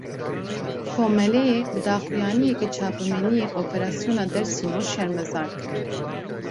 Komeleyê, bi daxuyaniyeke çapameniyê operasyona dersînor şermezar kir